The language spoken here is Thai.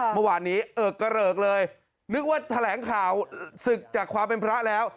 เมื่อวานนี้เอิกกระเริกเลยนึกว่าแถลงข่าวศึกจากความเป็นพระแล้ว